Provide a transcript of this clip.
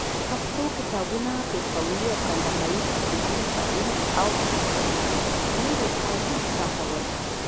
پښتو کتابونه، پېښوري او کندهاري تاجرانو په هند او نورو ښارو چاپول.